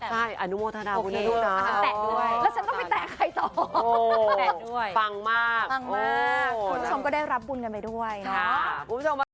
ต้องไปแตะไข่ต่อฟังมากทุกคนก็ได้รับบุญกันไปด้วยนะ